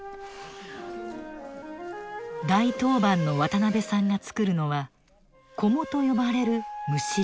大当番の渡邉さんが作るのは「菰」と呼ばれるむしろ。